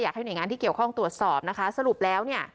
อยากให้หน่วยงานที่เกี่ยวข้องตรวจสอบนะคะสรุปแล้วเนี่ย